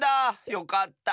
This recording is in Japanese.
よかった。